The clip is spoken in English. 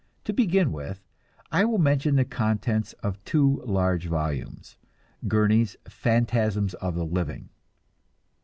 To begin with, I will mention the contents of two large volumes, Gurney's "Phantasms of the Living."